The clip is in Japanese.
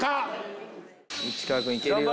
市川君いけるよ。